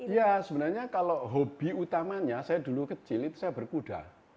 ya sebenarnya kalau hobi utamanya saya dulu kecil itu saya berkuda